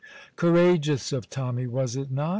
Courageous of Tommy, was it not?